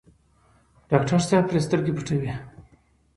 ډاکټر صاحب پرې سترګې پټوي.